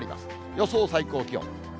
予想最高気温。